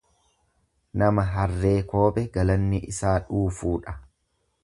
Nama harree koobe galanni isaa dhuufuudha.